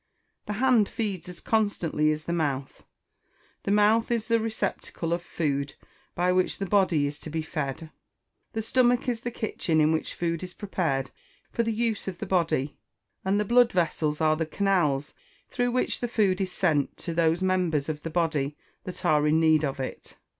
The hand feeds as constantly as the mouth. The mouth is the receptacle of food, by which the body is to be fed; the stomach is the kitchen in which food is prepared for the use of the body; and the blood vessels are the canals through which the food is sent to those members of the body that are in need of it.